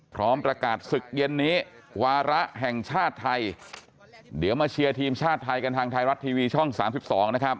พร้อมประกาศศึกเย็นนี้วาระแห่งชาติไทยเดี๋ยวมาเชียร์ทีมชาติไทยกันทางไทยรัฐทีวีช่องสามสิบสองนะครับ